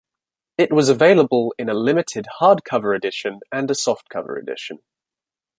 It was available in a limited hardcover edition and a softcover edition.